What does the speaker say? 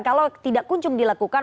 kalau tidak kuncung dilakukan